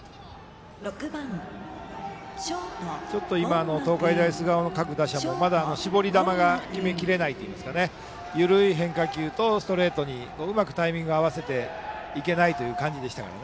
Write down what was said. ちょっと今東海大菅生の各打者もまだ絞り球が決めきれないというか緩い変化球とストレートにうまくタイミングを合わせていけないという感じでしたから。